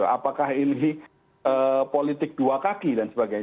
apakah ini politik dua kaki dan sebagainya